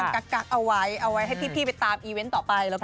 ก็ยังกักเอาไว้เอาไว้ให้พี่ไปตามอีเว้นต่อไปแล้วกัน